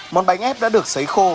món bánh ép đã được xấy khô